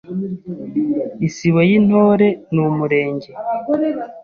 Isibo y’Intore ni Umurenge